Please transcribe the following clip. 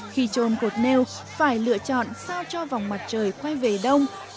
khi trôn cột nêu phải lựa chọn sao cho vòng mặt trời quay về đông